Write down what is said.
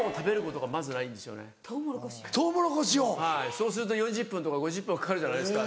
そうすると４０分とか５０分はかかるじゃないですか。